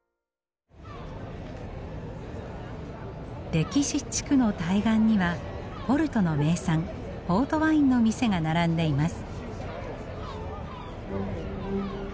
歴史地区の対岸にはポルトの名産ポートワインの店が並んでいます。